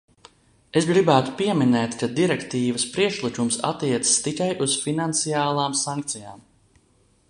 Es gribētu pieminēt, ka direktīvas priekšlikums attiecas tikai uz finansiālām sankcijām.